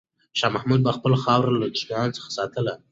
شاه محمود به خپله خاوره له دښمنانو څخه ساتله.